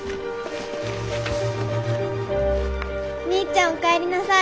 お兄ちゃんお帰りなさい。